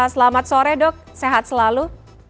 selamat sore dok sehat selalu